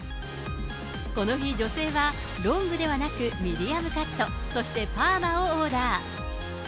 この日、女性はロングではなくミディアムカット、そしてパーマをオーダー。